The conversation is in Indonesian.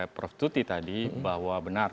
prof tuti tadi bahwa benar